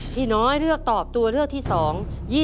พี่น้อยเลือกตอบตัวเลือกที่สอง